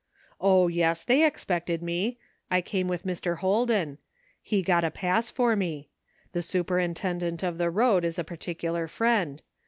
O, yes ! they expected me ; I came with Mr. Holden. He got a pass for me. The superintendent of the road is a particular friend.